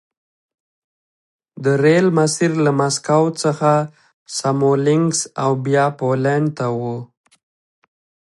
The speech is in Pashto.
د ریل مسیر له مسکو څخه سمولینکس او بیا پولنډ ته و